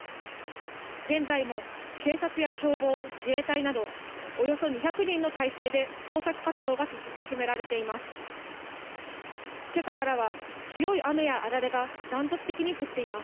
現在も警察や消防、自衛隊などおよそ２００人の態勢で捜索活動が進められています。